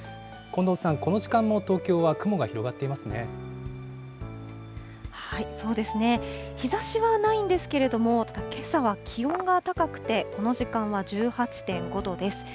近藤さん、この時間も東京は雲がそうですね、日ざしはないんですけれども、けさは気温が高くて、この時間は１８．５度です。